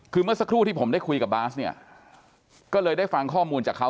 คือเมื่อสักครู่ที่ผมได้คุยกับบาสเนี่ยก็เลยได้ฟังข้อมูลจากเขา